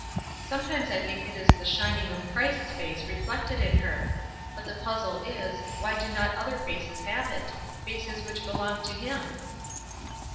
Sometimes I think it is the shining of Christ's face reflected in her; but the puzzle is, why do not other faces have it? Faces which belong to him?"